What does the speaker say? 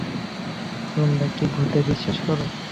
তোমরা কি ভূতে বিশ্বাস করো?